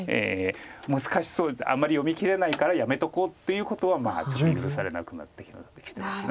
難しそうあんまり読みきれないからやめとこうっていうことはちょっと許されなくなってきてます。